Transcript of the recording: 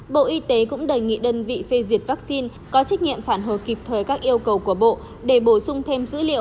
bộ y tế cũng đề nghị đơn vị phê duyệt vaccine có trách nhiệm phản hồi kịp thời các yêu cầu của bộ để bổ sung thêm dữ liệu